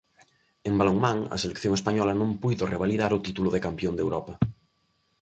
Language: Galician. En balonmán, a selección española non puido revalidar o título de campión de Europa.